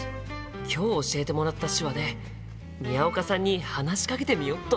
今日教えてもらった手話で宮岡さんに話しかけてみよっと！